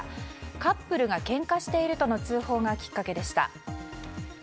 カップルがけんかしているとの通報がきっかけでした。